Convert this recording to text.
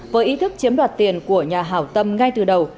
với ý thức chiếm đoạt tiền của nhà hảo tâm ngay từ đầu